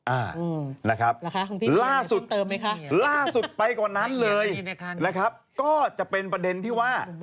อ่านะครับล่าสุดไปกว่านั้นเลยแล้วก็จะเป็นประเด็นที่ว่า